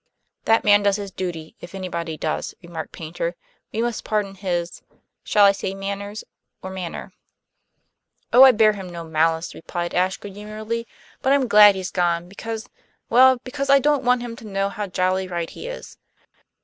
"That man does his duty, if anybody does," remarked Paynter. "We must pardon his shall I say manners or manner?" "Oh, I bear him no malice," replied Ashe good humoredly, "But I'm glad he's gone, because well, because I don't want him to know how jolly right he is."